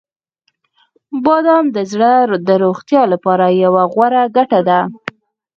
• بادام د زړه د روغتیا لپاره یوه غوره ګټه ده.